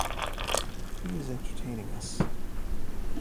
He is entertaining us.